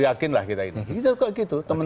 masih dihitungkan dari pandemi antiriposisi